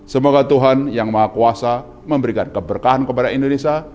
semoga tuhan yang maha kuasa memberikan keberkahan kepada indonesia